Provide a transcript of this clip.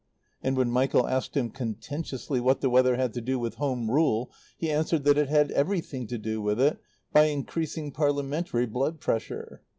And when Michael asked him contentiously what the weather had to do with Home Rule, he answered that it had everything to do with it by increasing parliamentary blood pressure.